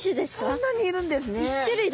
そんなにいるんですね。